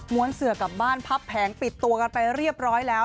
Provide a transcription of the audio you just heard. เสือกลับบ้านพับแผงปิดตัวกันไปเรียบร้อยแล้ว